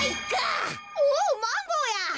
おおマンゴーや。